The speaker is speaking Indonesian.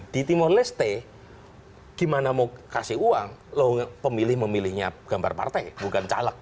di timur leste gimana mau kasih uang loh pemilih memilihnya gambar partai bukan caleg